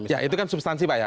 ya itu kan substansi pak ya